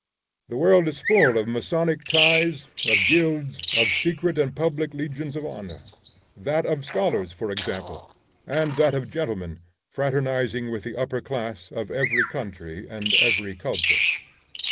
The world is full of masonic ties, of guilds, of secret and public legions of honor; that of scholars, for example; and that of gentlemen, fraternizing with the upper class of every country and every culture.